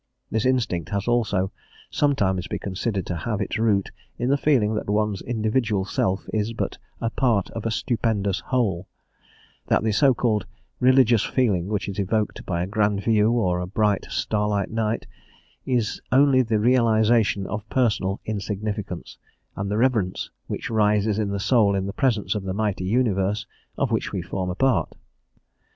This instinct has also sometimes been considered to have its root in the feeling that one's individual self is but a "part of a stupendous whole;" that the so called religious feeling which is evoked by a grand view or a bright starlight night is only the realisation of personal insignificance, and the reverence which rises in the soul in the presence of the mighty universe of which we form a part.